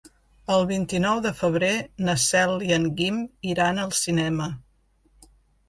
El vint-i-nou de febrer na Cel i en Guim iran al cinema.